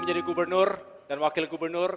menjadi gubernur dan wakil gubernur